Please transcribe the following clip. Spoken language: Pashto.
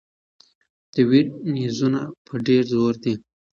د ویر نیزونه په ډېر زور دي.